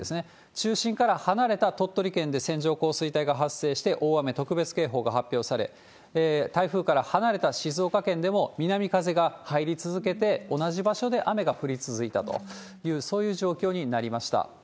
中心から離れた鳥取県で線状降水帯が発生して大雨特別警報が発表され、台風から離れた静岡県でも、南風が入り続けて、同じ場所で雨が降り続いたという、そういう状況になりました。